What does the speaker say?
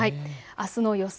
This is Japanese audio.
あすの予想